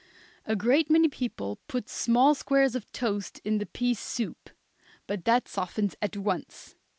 A great many people put small squares of toast in the pea soup, but that softens at once.